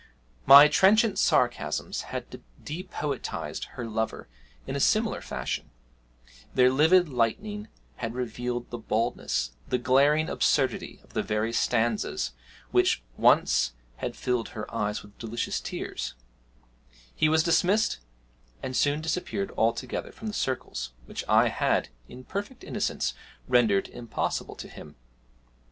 My trenchant sarcasms had depoetised her lover in a similar fashion; their livid lightning had revealed the baldness, the glaring absurdity of the very stanzas which once had filled her eyes with delicious tears; he was dismissed, and soon disappeared altogether from the circles which I had (in perfect innocence) rendered impossible to him.